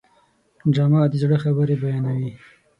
ډرامه د زړه خبرې بیانوي